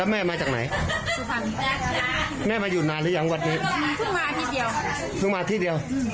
เมซีเห็นว่ามันอยู่ใกล้บ้านบ้านเยดหนองคลาย